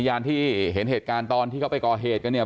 ยานที่เห็นเหตุการณ์ตอนที่เขาไปก่อเหตุกันเนี่ย